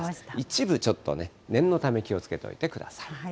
一部ちょっとね、念のため気をつけておいてください。